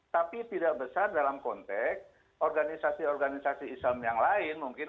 tapi tidak besar dalam konteks organisasi organisasi islam yang lain mungkin